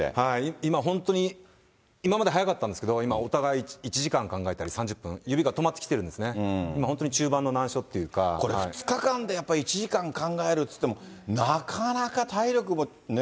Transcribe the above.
今、本当に、今まで早かったんですけど、今、お互い１時間考えたり、３０分、指が止まってきてるんですね。これ、２日間でやっぱり１時間考えるっていっても、なかなか体力もね。